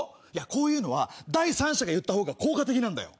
こういうのは第三者が言ったほうが効果的なんだよ。